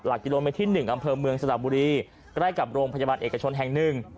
กิโลเมตรที่๑อำเภอเมืองสระบุรีใกล้กับโรงพยาบาลเอกชนแห่งหนึ่ง